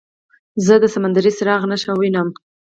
زه د سمندري څراغ نښه وینم.